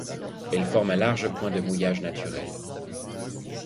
Elle forme un large point de mouillage naturel.